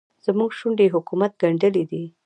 زموږ شونډې حکومت ګنډلې دي.